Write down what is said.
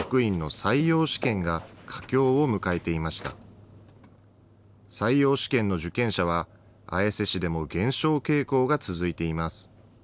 採用試験の受験者は、綾瀬市でも減少傾向が続いています。